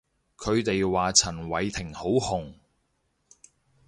佢哋話陳偉霆好紅